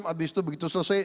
habis itu begitu selesai